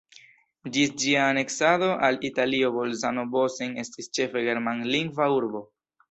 Ĝis ĝia aneksado al Italio Bolzano-Bozen estis ĉefe germanlingva urbo.